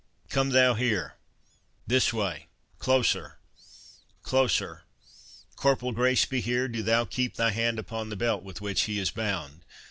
—Come thou here—this way—closer—closer.—Corporal Grace be here, do thou keep thy hand upon the belt with which he is bound.